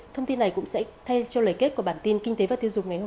thông tin này cũng sẽ theo lời kết